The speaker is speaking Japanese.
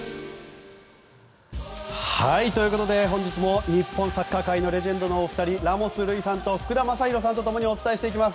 本日も日本サッカー界のレジェンドのお二人ラモス瑠偉さんと福田正博さんと共にお伝えしていきます。